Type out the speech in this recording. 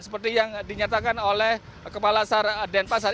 seperti yang dinyatakan oleh kepala sar denpasar